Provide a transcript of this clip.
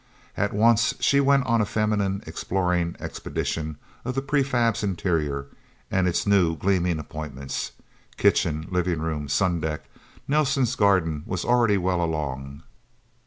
At once she went on a feminine exploring expedition of the prefab's interior, and its new, gleaming appointments. Kitchen, living room, sundeck. Nelsen's garden was already well along.